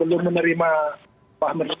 belum menerima paham